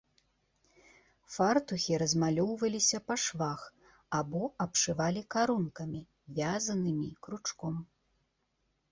Фартухі размалёўваліся па швах або абшывалі карункамі, вязанымі кручком.